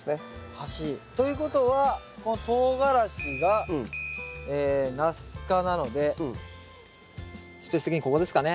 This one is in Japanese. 端ということはこのトウガラシがナス科なのでスペース的にここですかね？